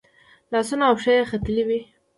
لاسونه او پښې یې ختلي وي.